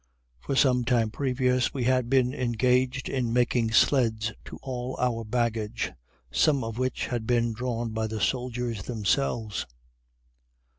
For some time previous we had been engaged in making sleds to haul our baggage, some of which had to be drawn by the soldiers themselves.